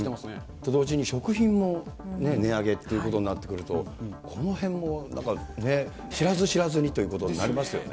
と同時に食品もね、値上げっていうことになってくると、このへんもだからね、知らず知らずにっていうことになりますよね。